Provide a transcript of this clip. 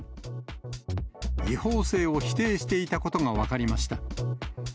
違法性を否定していたことが分かりました。